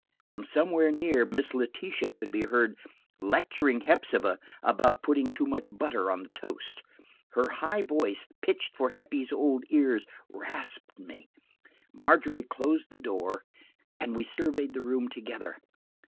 From somewhere near Miss Letitia could be heard lecturing Hepsibah about putting too much butter on the toast. Her high voice, pitched for Heppie's old ears, rasped me. Margery closed the door, and we surveyed the room together.